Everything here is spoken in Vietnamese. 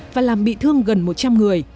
và làm bị thương gần một trăm linh người